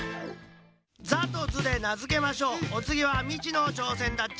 「ザとズで名づけまショー」おつぎはミチのちょうせんだっち。